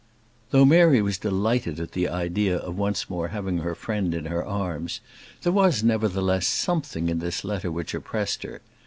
Though Mary was delighted at the idea of once more having her friend in her arms, there was, nevertheless, something in this letter which oppressed her.